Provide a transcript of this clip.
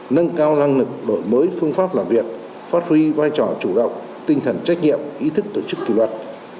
nâng cao năng lực đổi mới phương pháp làm việc phát huy vai trò chủ động tinh thần trách nhiệm ý thức tổ chức kỷ luật